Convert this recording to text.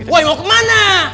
woy mau kemana